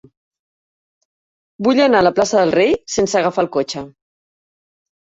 Vull anar a la plaça del Rei sense agafar el cotxe.